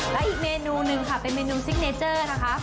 และอีกเมนูหนึ่งค่ะเป็นเมนูซิกเนเจอร์นะคะ